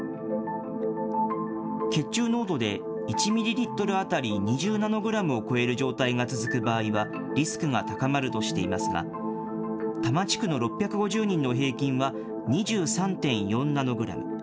血中濃度で１ミリリットル当たり２０ナノグラムを超える状態が続く場合は、リスクが高まるとしていますが、多摩地区の６５０人の平均は２３．４ナノグラム。